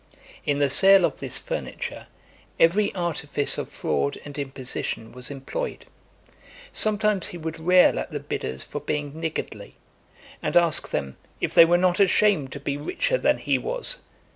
In the sale of this furniture, every artifice of fraud and imposition was employed. Sometimes he would rail at the bidders for being niggardly, and ask them "if they were not ashamed to be richer than he was?"